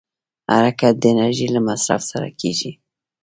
حرکت د انرژۍ له مصرف سره کېږي.